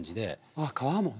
あっ皮もね。